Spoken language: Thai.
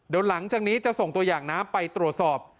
เดี๋ยวหลังจากนี้จะส่งตัวอย่างน้ำไปตรวจสอบ